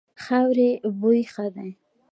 خاورې بوی ښه دی.